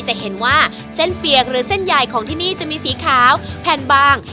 จะเห็นว่าเส้นเปียกหรือเส้นใหญ่ของที่นี่จะมีสีขาวแผ่นบาง